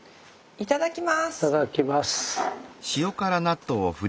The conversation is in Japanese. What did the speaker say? いただきます。